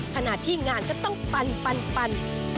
ขณะที่งานก็ต้องปัน